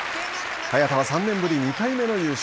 早田は３年ぶり２回目の優勝。